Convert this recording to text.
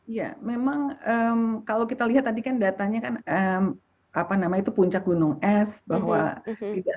iya memang kalau kita lihat tadi kan datanya kan apa nama itu puncak gunung es bahwa tidak semua penyintas itu akan